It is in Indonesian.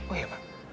oh ya pak